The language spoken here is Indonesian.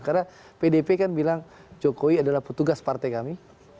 karena pdip kan bilang jokowi adalah petugas partai kami